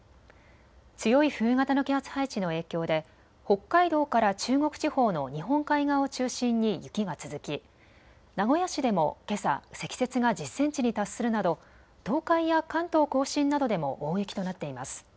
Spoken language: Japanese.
強い冬型の気圧配置の影響で北海道から中国地方の日本海側を中心に雪が続き名古屋市でもけさ、積雪が１０センチに達するなど東海や関東甲信などでも大雪となっています。